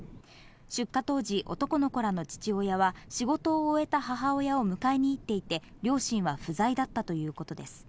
出火当時、男の子らの父親は、仕事を終えた母親を迎えに行っていて、両親は不在だったということです。